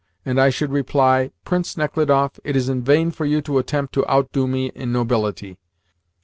and I should reply, 'Prince Nechludoff, it is in vain for you to attempt to outdo me in nobility.